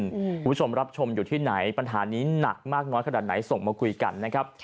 คุณผู้ชมรับชมอยู่ที่ไหนปัญหานี้หนักมากน้อยขนาดไหนส่งมาคุยกันนะครับ